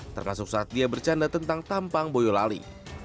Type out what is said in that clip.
termasuk saat dia bercanda tentang tampang boyolali